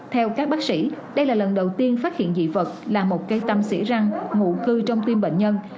theo các bác sĩ đây là lần đầu tiên phát hiện dị vật là một cây tâm sỉ răng ngụ cư trong tim bệnh nhân